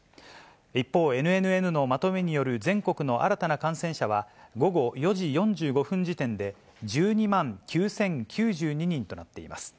一方、ＮＮＮのまとめによる全国の新たな感染者は、午後４時４５分時点で、１２万９０９２人となっています。